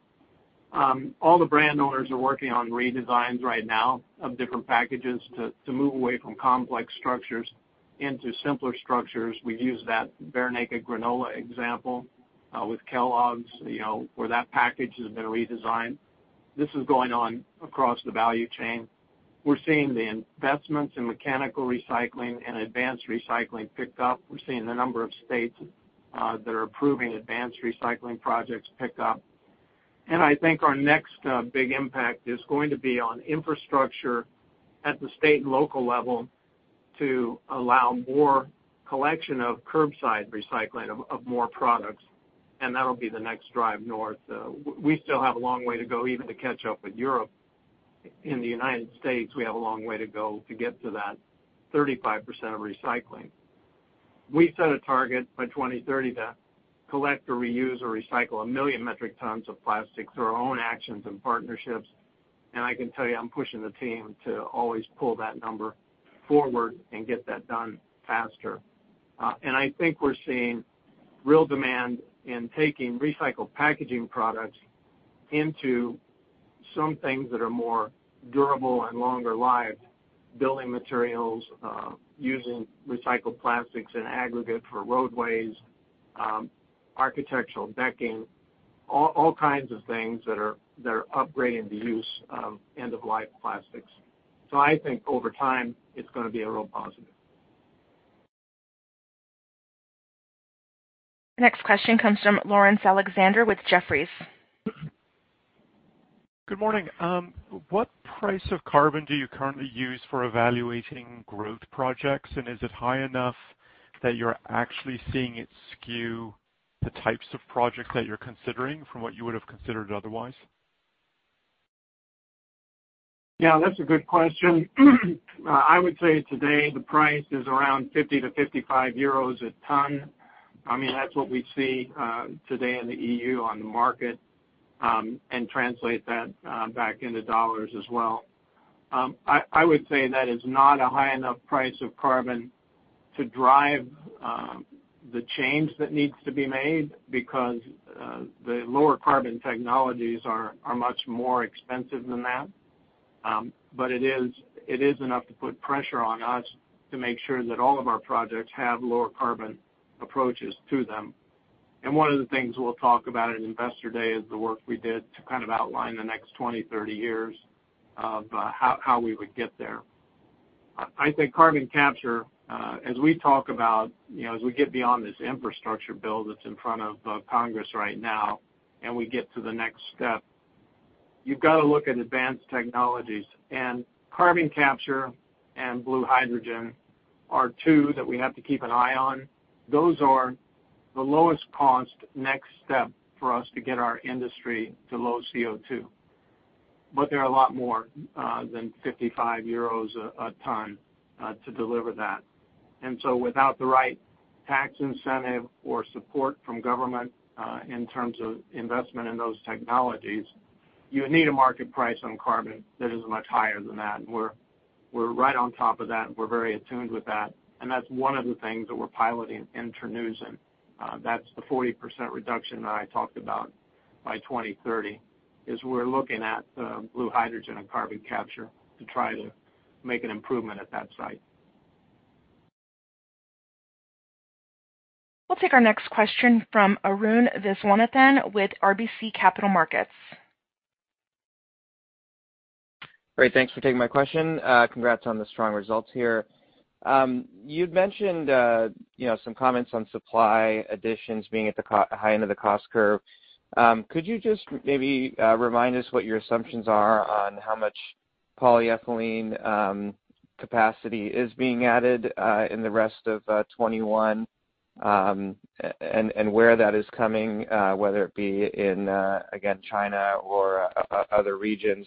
All the brand owners are working on redesigns right now of different packages to move away from complex structures into simpler structures. We've used that Bear Naked granola example with Kellogg's where that package has been redesigned. This is going on across the value chain. We're seeing the investments in mechanical recycling and advanced recycling pick up. We're seeing the number of states that are approving advanced recycling projects pick up. I think our next big impact is going to be on infrastructure at the state and local level to allow more collection of curbside recycling of more products, and that'll be the next drive north. We still have a long way to go even to catch up with Europe. In the United States, we have a long way to go to get to that 35% of recycling. We set a target by 2030 to collect or reuse or recycle 1 million metric tons of plastic through our own actions and partnerships. I can tell you, I'm pushing the team to always pull that number forward and get that done faster. I think we're seeing real demand in taking recycled packaging products into some things that are more durable and longer lived. Building materials, using recycled plastics and aggregate for roadways, architectural decking, all kinds of things that are upgrading the use of end-of-life plastics. I think over time, it's going to be a real positive. Next question comes from Laurence Alexander with Jefferies. Good morning. What price of carbon do you currently use for evaluating growth projects, and is it high enough that you're actually seeing it skew the types of projects that you're considering from what you would have considered otherwise? Yeah, that's a good question. I would say today the price is around 50-55 euros a ton. That's what we see today in the EU on the market, and translate that back into $ as well. I would say that is not a high enough price of carbon to drive the change that needs to be made because the lower carbon technologies are much more expensive than that. It is enough to put pressure on us to make sure that all of our projects have lower carbon approaches to them. One of the things we'll talk about at Investor Day is the work we did to kind of outline the next 20, 30 years of how we would get there. I think carbon capture as we talk about as we get beyond this infrastructure bill that's in front of Congress right now and we get to the next step, you've got to look at advanced technologies. Carbon capture and blue hydrogen are two that we have to keep an eye on those are the lowest cost next step for us to get our industry to low CO2. They're a lot more than 55 euros a ton to deliver that. Without the right tax incentive or support from government in terms of investment in those technologies, you would need a market price on carbon that is much higher than that. We're right on top of that. We're very attuned with that, and that's one of the things that we're piloting in Terneuzen. That's the 40% reduction that I talked about. By 2030, we're looking at blue hydrogen and carbon capture to try to make an improvement at that site. We'll take our next question from Arun Viswanathan with RBC Capital Markets. Great. Thanks for taking my question. Congrats on the strong results here. You'd mentioned some comments on supply additions being at the high end of the cost curve. Could you just maybe remind us what your assumptions are on how much polyethylene capacity is being added in the rest of 2021, and where that is coming, whether it be in, again, China or other regions?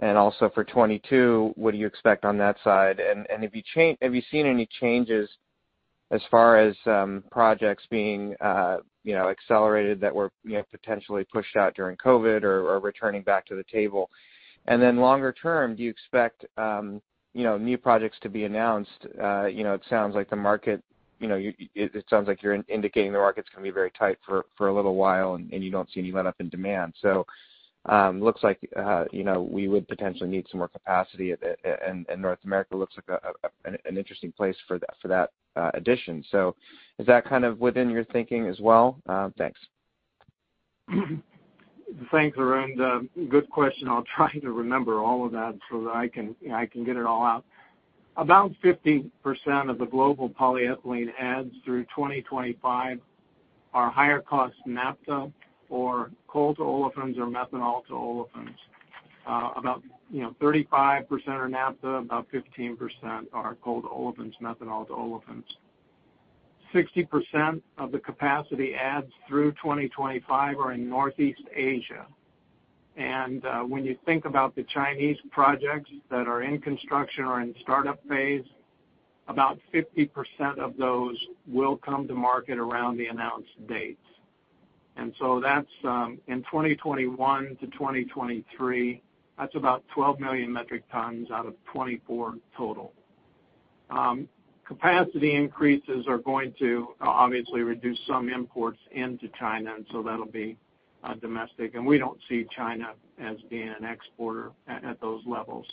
Also for 2022, what do you expect on that side? Have you seen any changes as far as projects being accelerated that were potentially pushed out during COVID-19 or are returning back to the table? Longer term, do you expect new projects to be announced? It sounds like you're indicating the market's going to be very tight for a little while, and you don't see any letup in demand. Looks like we would potentially need some more capacity, and North America looks like an interesting place for that addition. Is that kind of within your thinking as well? Thanks. Thanks, Arun. Good question. I'll try to remember all of that so that I can get it all out. About 50% of the global polyethylene adds through 2025 are higher cost naphtha or coal to olefins or methanol to olefins. About 35% are naphtha, about 15% are coal to olefins, methanol to olefins. 60% of the capacity adds through 2025 are in Northeast Asia. When you think about the Chinese projects that are in construction or in startup phase, about 50% of those will come to market around the announced dates. That's in 2021 to 2023, that's about 12 million metric tons out of 24 total. Capacity increases are going to obviously reduce some imports into China, and so that'll be domestic. We don't see China as being an exporter at those levels.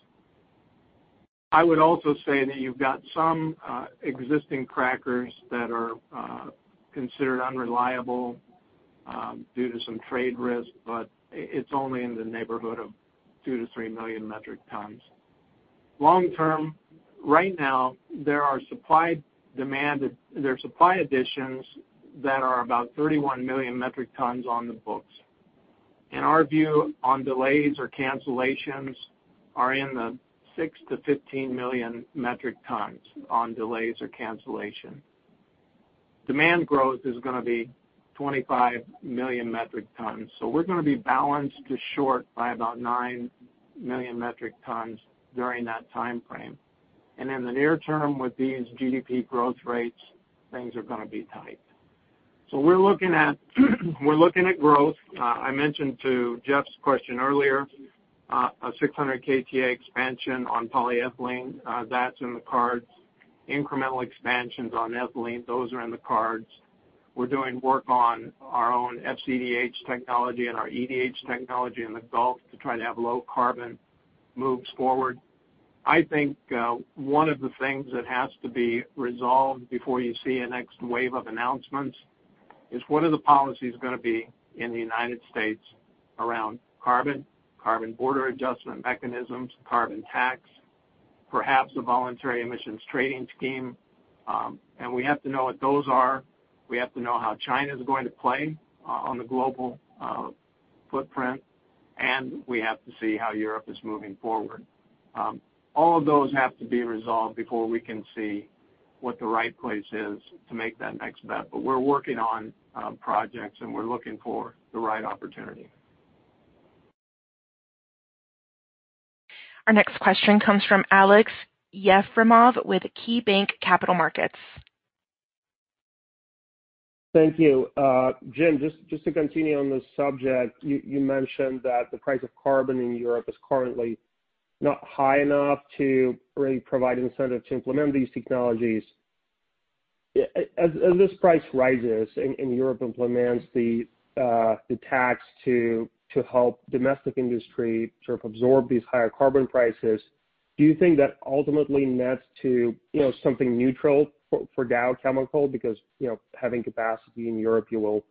I would also say that you've got some existing crackers that are considered unreliable due to some trade risk, but it's only in the neighborhood of 2-3 million metric tons. Long term, right now, there are supply additions that are about 31 million metric tons on the books, and our view on delays or cancellations are in the 6-15 million metric tons on delays or cancellation. Demand growth is going to be 25 million metric tons. We're going to be balanced to short by about 9 million metric tons during that timeframe. In the near term, with these GDP growth rates, things are going to be tight. We're looking at growth. I mentioned to Jeff's question earlier, a 600 KTA expansion on polyethylene. That's in the cards. Incremental expansions on ethylene, those are in the cards. We're doing work on our own FCDH technology and our EDH technology in the Gulf to try to have low carbon moves forward. I think one of the things that has to be resolved before you see a next wave of announcements is what are the policies going to be in the United States around carbon border adjustment mechanisms, carbon tax, perhaps a voluntary emissions trading scheme. We have to know what those are. We have to know how China's going to play on the global footprint, and we have to see how Europe is moving forward. All of those have to be resolved before we can see what the right place is to make that next bet. We're working on projects and we're looking for the right opportunity. Our next question comes from Aleksey Yefremov with KeyBanc Capital Markets. Thank you. Jim, just to continue on this subject, you mentioned that the price of carbon in Europe is currently not high enough to really provide incentive to implement these technologies. As this price rises and Europe implements the tax to help domestic industry sort of absorb these higher carbon prices, do you think that ultimately nets to something neutral for Dow Chemical? Because having capacity in Europe, you will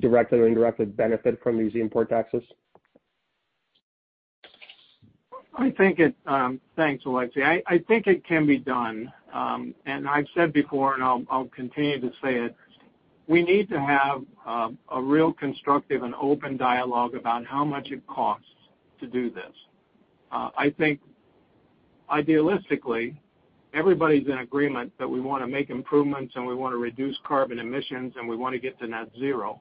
directly or indirectly benefit from these import taxes. Thanks, Aleksey. I think it can be done. I've said before, and I'll continue to say it, we need to have a real constructive and open dialogue about how much it costs to do this. I think idealistically, everybody's in agreement that we want to make improvements, and we want to reduce carbon emissions, and we want to get to net zero.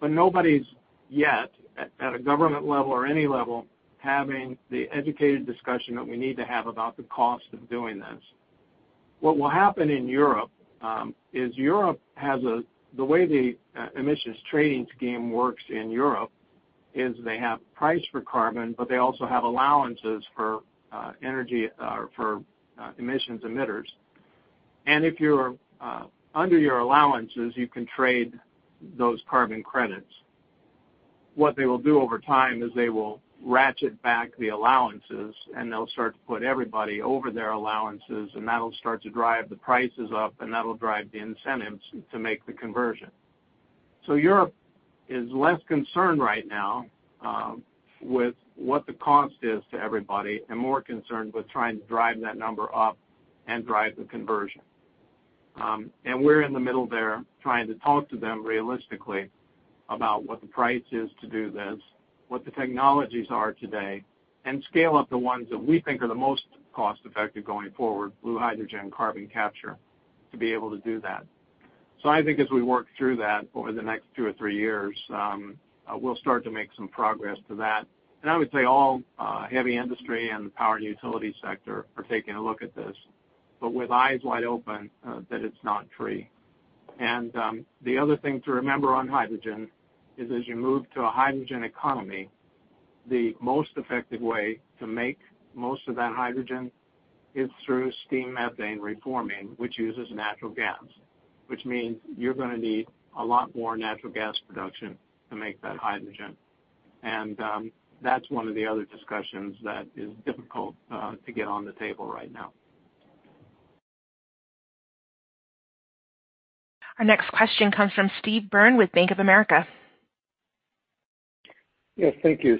Nobody's yet, at a government level or any level, having the educated discussion that we need to have about the cost of doing this. What will happen in Europe is, the way the emissions trading scheme works in Europe is they have price for carbon, but they also have allowances for emissions emitters. If you're under your allowances, you can trade those carbon credits. What they will do over time is they will ratchet back the allowances, and they'll start to put everybody over their allowances, and that'll start to drive the prices up, and that'll drive the incentives to make the conversion. Europe is less concerned right now with what the cost is to everybody and more concerned with trying to drive that number up and drive the conversion. We're in the middle there trying to talk to them realistically about what the price is to do this, what the technologies are today, and scale up the ones that we think are the most cost-effective going forward, blue hydrogen, carbon capture, to be able to do that. I think as we work through that over the next two or three years, we'll start to make some progress to that. I would say all heavy industry and the power and utility sector are taking a look at this, but with eyes wide open that it's not free. The other thing to remember on hydrogen is as you move to a hydrogen economy, the most effective way to make most of that hydrogen is through steam methane reforming, which uses natural gas, which means you're going to need a lot more natural gas production to make that hydrogen. That's one of the other discussions that is difficult to get on the table right now. Our next question comes from Steve Byrne with Bank of America. Yes. Thank you.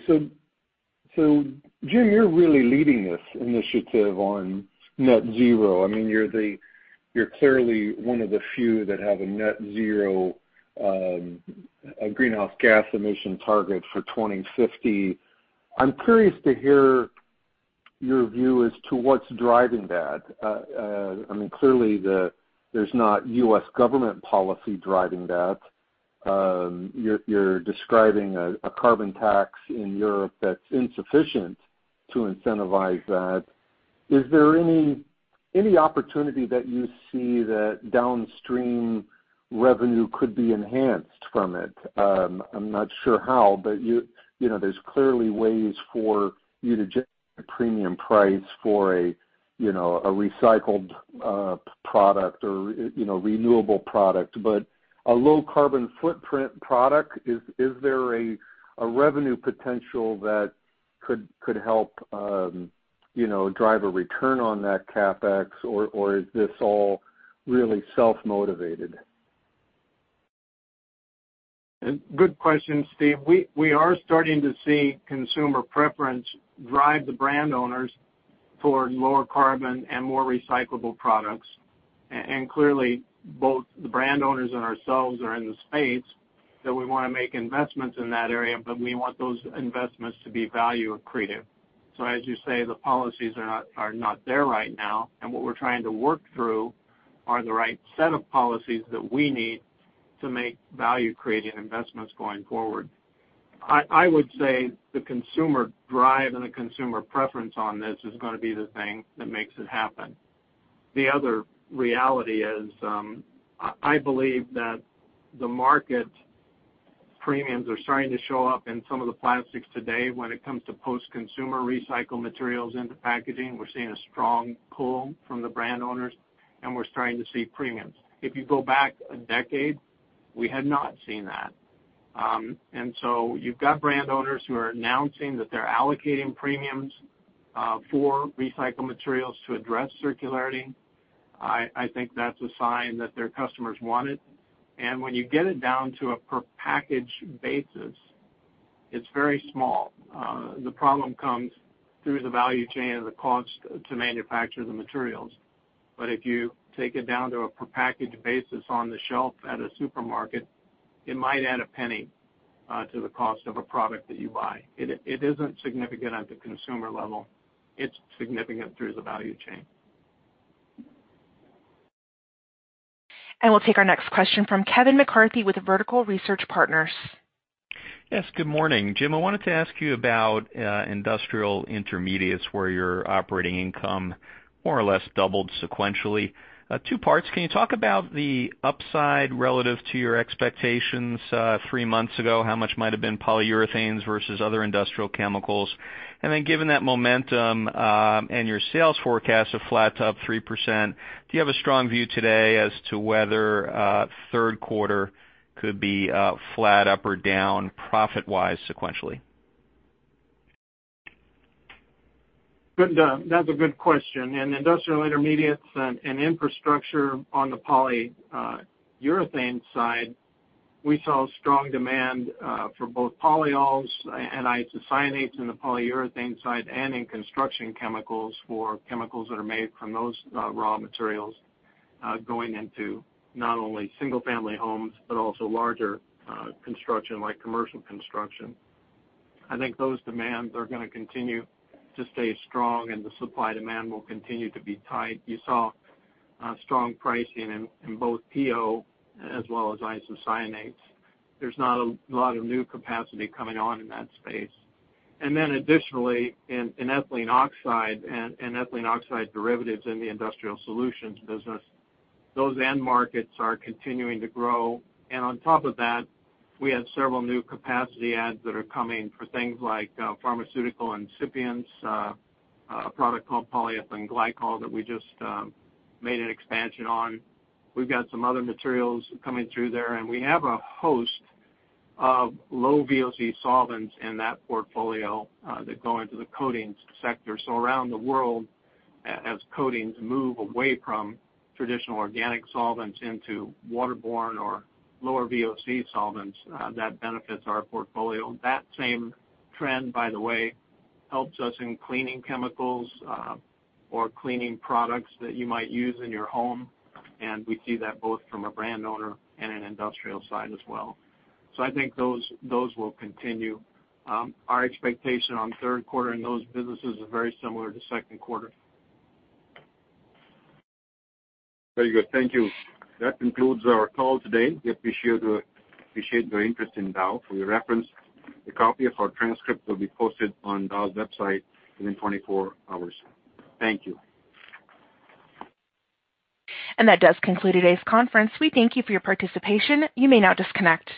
Jim, you're really leading this initiative on net zero. You're clearly one of the few that have a net zero greenhouse gas emission target for 2050. I'm curious to hear your view as to what's driving that. Clearly, there's not U.S. government policy driving that. You're describing a carbon tax in Europe that's insufficient to incentivize that. Is there any opportunity that you see that downstream revenue could be enhanced from it? I'm not sure how, but there's clearly ways for you to generate a premium price for a recycled product or renewable product. A low carbon footprint product, is there a revenue potential that could help drive a return on that CapEx? Is this all really self-motivated? Good question, Steve. We are starting to see consumer preference drive the brand owners towards lower carbon and more recyclable products. Clearly, both the brand owners and ourselves are in the space that we want to make investments in that area, but we want those investments to be value accretive. As you say, the policies are not there right now, and what we're trying to work through are the right set of policies that we need to make value-creating investments going forward. I would say the consumer drive and the consumer preference on this is going to be the thing that makes it happen. The other reality is, I believe that the market premiums are starting to show up in some of the plastics today when it comes to post-consumer recycled materials into packaging. We're seeing a strong pull from the brand owners, and we're starting to see premiums. If you go back 10 years, we had not seen that. You've got brand owners who are announcing that they're allocating premiums for recycled materials to address circularity. I think that's a sign that their customers want it. When you get it down to a per package basis, it's very small. The problem comes through the value chain and the cost to manufacture the materials. If you take it down to a per package basis on the shelf at a supermarket, it might add $0.01 to the cost of a product that you buy. It isn't significant at the consumer level. It's significant through the value chain. We'll take our next question from Kevin McCarthy with Vertical Research Partners. Yes. Good morning. Jim, I wanted to ask you about Industrial Intermediates where your operating income more or less doubled sequentially two parts. Can you talk about the upside relative to your expectations three months ago? How much might have been polyurethanes versus other industrial chemicals? Given that momentum and your sales forecast of flat to up 3%, do you have a strong view today as to whether third quarter could be flat, up or down profit-wise sequentially? That's a good question. In Industrial Intermediates & Infrastructure on the polyurethane side, we saw strong demand for both polyols and isocyanates in the polyurethane side and in construction chemicals for chemicals that are made from those raw materials going into not only single family homes, but also larger construction like commercial construction. I think those demands are going to continue to stay strong and the supply-demand will continue to be tight, you saw strong pricing in both PO as well as isocyanates. There's not a lot of new capacity coming on in that space. Additionally, in ethylene oxide and ethylene oxide derivatives in the Industrial Solutions business, those end markets are continuing to grow. On top of that, we have several new capacity adds that are coming for things like pharmaceutical excipients, a product called polyethylene glycol that we just made an expansion on. We've got some other materials coming through there, and we have a host of low VOC solvents in that portfolio that go into the coatings sector. Around the world, as coatings move away from traditional organic solvents into waterborne or lower VOC solvents, that benefits our portfolio. That same trend, by the way, helps us in cleaning chemicals or cleaning products that you might use in your home, and we see that both from a brand owner and an industrial side as well. I think those will continue. Our expectation on third quarter in those businesses are very similar to second quarter. Very good. Thank you. That concludes our call today, we appreciate your interest in Dow. For your reference, a copy of our transcript will be posted on Dow's website within 24 hours. Thank you. That does conclude today's conference. We thank you for your participation. You may now disconnect.